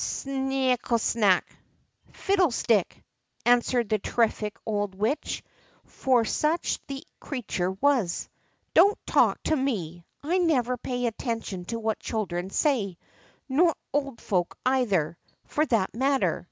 Snikkesnak ! (fiddlestick!) answered the terrific old Witch, for such the creature was. Don't talk to me ! I never pay any attention to what children say ; nor old folk either, for that matter.